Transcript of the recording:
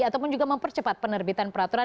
ataupun juga mempercepat penerbitan peraturan